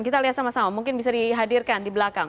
kita lihat sama sama mungkin bisa dihadirkan di belakang